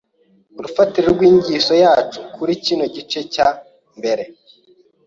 urufatiro rw’ inyigisho yacu muri kino gice ca mbere.